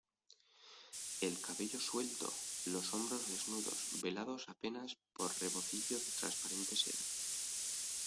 el cabello suelto, los hombros desnudos , velados apenas por rebocillo de transparente seda.